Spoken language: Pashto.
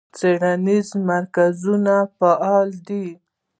څیړنیز مرکزونه فعال دي.